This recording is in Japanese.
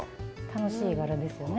楽しい柄ですよね。